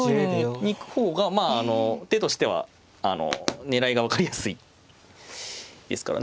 行く方がまあ手としては狙いが分かりやすいですからね。